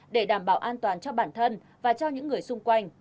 để đảm bảo an toàn cho bản thân và cho những người xung quanh